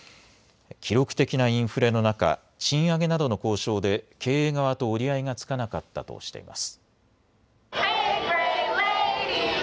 記録的なインフレの中、賃上げなどの交渉で経営側と折り合いがつかなかったとしています。